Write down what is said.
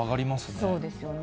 そうですよね。